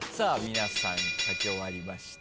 皆さん書き終わりました。